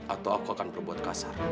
atau aku akan berbuat kasar